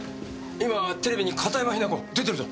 今テレビに片山雛子出てるぞ。